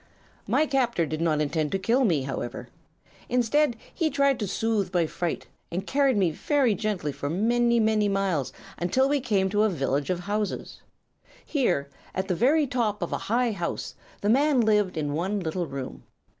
"My captor did not intend to kill me, however. Instead, he tried to soothe my fright, and carried me very gently for many, many miles, until we came to a village of houses. Here, at the very top of a high house, the man lived in one little room.